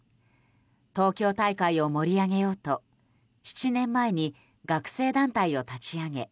東京大会を盛り上げようと７年前に学生団体を立ち上げ